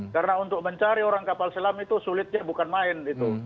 karena untuk mencari orang kapal selam itu sulitnya bukan main